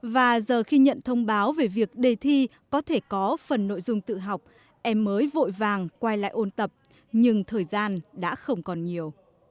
và giờ khi nhận thông báo về việc đề thi có thể có phần nội dung tự học em mới vội vàng quay lại ôn tập nhưng thời gian đã không còn nhiều